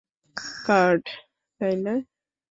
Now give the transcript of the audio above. Card, তাই না?